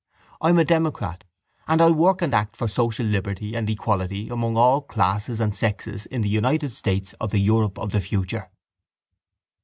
I'm a democrat and I'll work and act for social liberty and equality among all classes and sexes in the United States of the Europe of the future.